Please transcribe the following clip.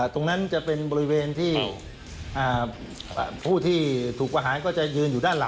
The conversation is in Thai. ตรงนั้นจะเป็นบริเวณที่ผู้ที่ถูกประหารก็จะยืนอยู่ด้านหลัง